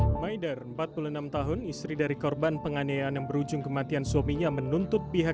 hai maider empat puluh enam tahun istri dari korban penganeian yang berujung kematian suaminya menuntut pihak